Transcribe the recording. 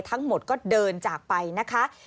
ทั้งหมดก็เดินจากไปนะคะ